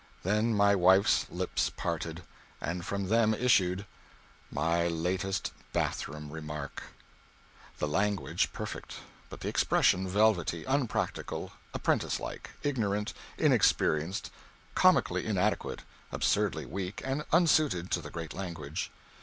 Then my wife's lips parted, and from them issued my latest bath room remark. The language perfect, but the expression velvety, unpractical, apprenticelike, ignorant, inexperienced, comically inadequate, absurdly weak and unsuited to the great language.